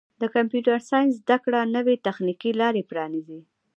د کمپیوټر ساینس زدهکړه نوې تخنیکي لارې پرانیزي.